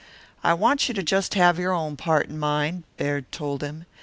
"I want you to have just your own part in mind," Baird told him.